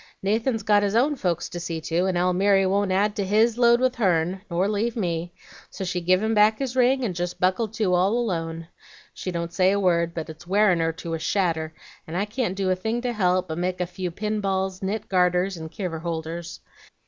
Nathan's got his own folks to see to, and Almiry won't add to HIS load with hern, nor leave me; so she give him back his ring, and jest buckled to all alone. She don't say a word, but it's wearin' her to a shadder, and I can't do a thing to help, but make a few pinballs, knit garters, and kiver holders.